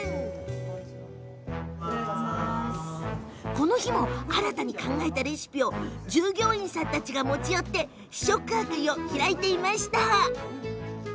この日も新たに考えたレシピを従業員さんたちが持ち寄って試食会を開いてらっしゃいました。